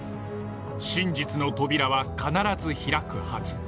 真実の扉は必ず開くはず。